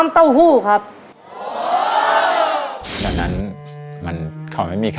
ทาราบังชุดรับแขกเนี่ยออกวางแผงในปีภศ๒๕๔๖ค่ะ